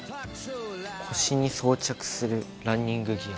「腰に装着するランニングギア」。